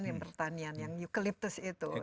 yang pertanian yang eukaliptus itu